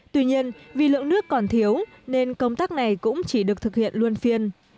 tuy nhiên vì lượng nước còn thiếu nên công tác này cũng chỉ được thực hiện luôn phiên